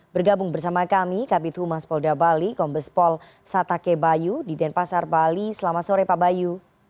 bergabung bersama kami kabit humas polda bali kombes pol satake bayu di denpasar bali selamat sore pak bayu